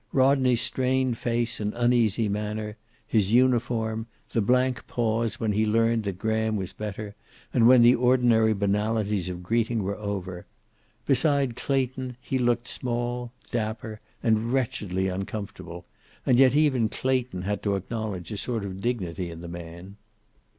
Rodney's strained face and uneasy manner, his uniform, the blank pause when he had learned that Graham was better, and when the ordinary banalities of greeting were over. Beside Clayton he looked small, dapper, and wretchedly uncomfortable, and yet even Clayton had to acknowledge a sort of dignity in the man.